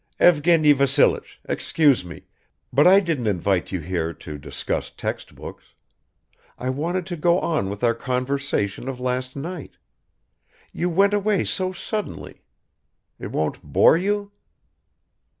"Evgeny Vassilich, excuse me, but I didn't invite you here to discuss textbooks. I wanted to go on with our conversation of last night. You went away so suddenly ... It won't bore you?"